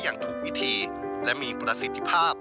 อย่างถูกวิธีและมีประสิทธิภาพ